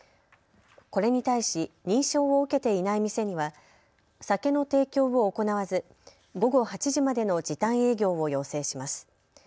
これに対し認証を受けていない店には酒の提供も行わず午後８時までの時短営業を要請します。